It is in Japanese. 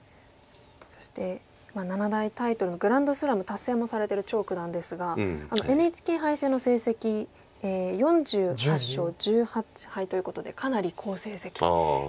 そして七大タイトルグランドスラム達成もされてる張九段ですがＮＨＫ杯戦の成績４８勝１８敗ということでかなり好成績ですよね。